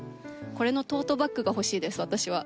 これのトートバッグが欲しいです私は。